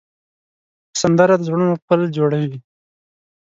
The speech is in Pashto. سندره د زړونو پل جوړوي